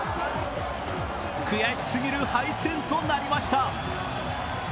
悔しすぎる敗戦となりました。